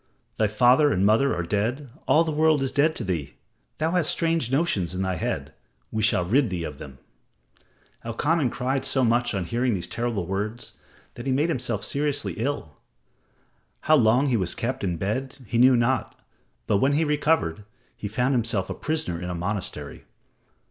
Thy father and mother are dead all the world is dead to thee. Thou hast strange notions in thy head. We shall rid thee of them." Elkanan cried so much on hearing these terrible words that he made himself seriously ill. How long he was kept in bed he knew not, but when he recovered, he found himself a prisoner in a monastery.